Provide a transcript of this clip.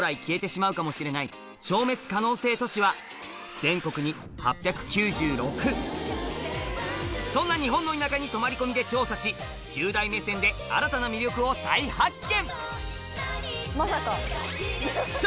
全国にそんな日本の田舎に泊まり込みで調査し１０代目線で新たな魅力を再発見！